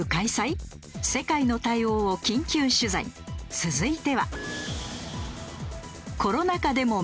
続いては。